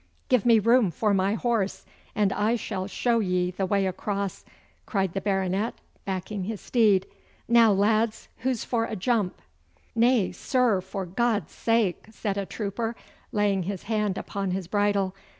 'Give me room for my horse, and I shall show ye the way across!' cried the Baronet, backing his steed. 'Now, lads, who's for a jump?' 'Nay, sir, for God's sake!' said a trooper, laying his hand upon his bridle.